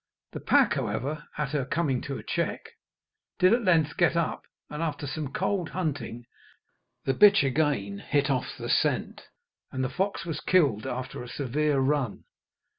The pack, however, at her coming to a check, did at length get up, and, after some cold hunting, the bitch again hit off the scent, and the fox was killed after a severe run.